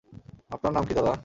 আপনার নাম কী, দাদা?